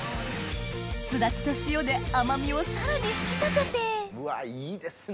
すだちと塩で甘味をさらに引き立ててうわいいですね！